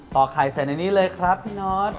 ไข่ใส่ในนี้เลยครับพี่นอท